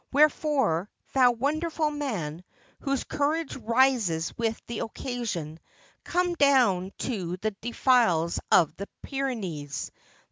Wherefore, thou wonderful man, whose courage rises with the occasion, come down to the de files of the Pyrenees.